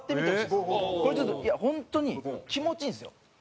これちょっといや本当に気持ちいいんですよ。